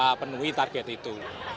jadi kita bisa mencapai target itu